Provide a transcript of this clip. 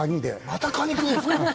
またカニ食うんですか！？